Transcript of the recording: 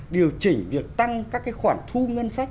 điều chỉnh việc tăng các cái khoản thu ngân sách